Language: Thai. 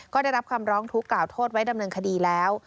ก็ได้รับคำร้องทุกข์กล่าวโทษไว้ดำเนินคดีแล้ว